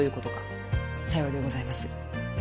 さようでございます。